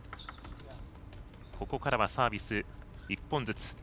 ここからはサービス１本ずつ。